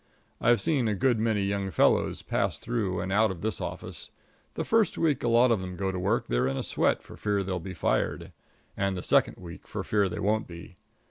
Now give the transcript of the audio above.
I've seen a good many young fellows pass through and out of this office. The first week a lot of them go to work they're in a sweat for fear they'll be fired; and the second week for fear they won't be.